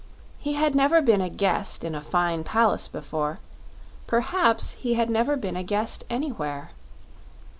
He had never been a guest in a fine palace before; perhaps he had never been a guest anywhere.